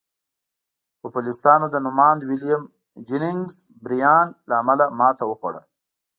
پوپلستانو د نوماند ویلیم جیننګز بریان له امله ماتې وخوړه.